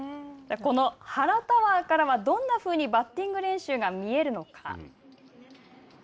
この原タワーからはどんなふうにバッティング練習が見えるのか。